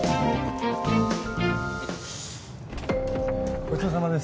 ・ごちそうさまです。